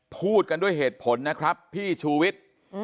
พูดกันด้วยเหตุผลนะครับพี่ชูวิทย์